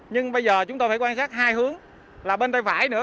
nhưng bây giờ chúng tôi phải quan sát hai hướng là bên tay vải nữa